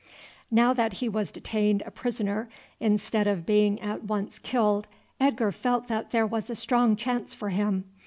Now that he was detained a prisoner instead of being at once killed, Edgar felt that there was a strong chance for him.